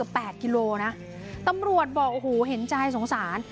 แปดกิโลนะตำรวจบอกโอ้โหเห็นใจสงสาร